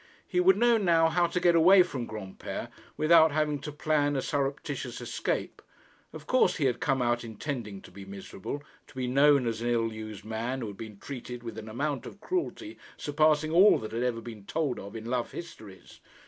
He would know now how to get away from Granpere without having to plan a surreptitious escape. Of course he had come out intending to be miserable, to be known as an ill used man who had been treated with an amount of cruelty surpassing all that had ever been told of in love histories.